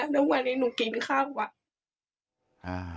แล้ววันนี้หนูกินข้าววัด